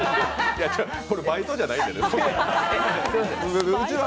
いや、これバイトじゃないから。